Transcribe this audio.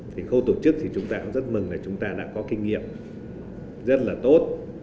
thì khâu tổ chức thì chúng ta cũng rất mừng là chúng ta đã có kinh nghiệm rất là tốt